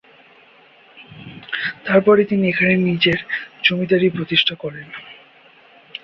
তারপরই তিনি এখানে নিজের জমিদারী প্রতিষ্ঠা করেন।